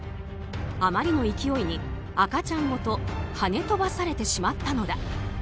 あまりの勢いに赤ちゃんごと跳ね飛ばされてしまったのだ。